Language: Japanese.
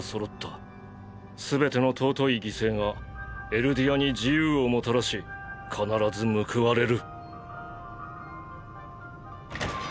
すべての尊い犠牲がエルディアに自由をもたらし必ず報われる。